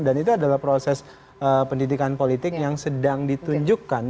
dan itu adalah proses pendidikan politik yang sedang ditunjukkan